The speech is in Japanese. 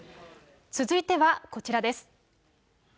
続いてはこちらです。